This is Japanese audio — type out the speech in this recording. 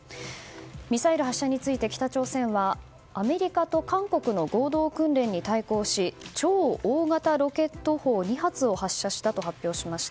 ミサイル発射について北朝鮮は、アメリカと韓国の合同訓練に対抗し超大型ロケット砲２発を発射したと発表しました。